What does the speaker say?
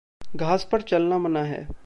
घास पर चलना मना है।